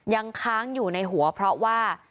ยังค้างอยู่ในหัวเพราะว่า